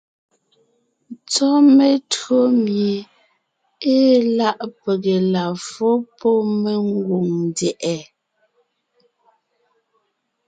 Tsɔ́ metÿǒ mie ée láʼ pege la fó pɔ́ mengwòŋ ndyɛ̀ʼɛ.